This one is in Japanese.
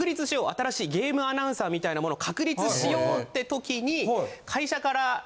新しいゲームアナウンサーみたいなものを確立しようってときに。